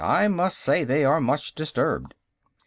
"I must say they are much disturbed."